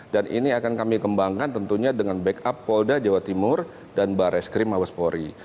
dan ini akan kami kembangkan tentunya dengan backup polda jawa timur dan barreskrim habaspori